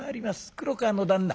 黒川の旦那